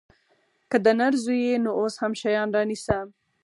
که د نر زوى يې نو اوس هم شيان رانيسه.